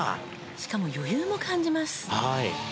しかも余裕も感じます。